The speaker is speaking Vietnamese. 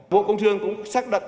vụ công chương cũng xác đặt